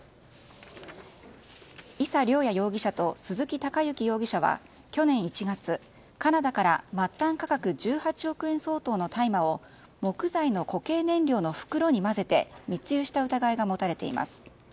伊佐遼也容疑者と鈴木貴之容疑者は去年１月、カナダから末端価格１８億円相当の大麻を木材の固形燃料の袋に混ぜて密輸した疑いが持たれています。